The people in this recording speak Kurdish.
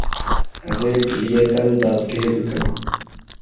Ez ê giliyê te li dadgehê bikim.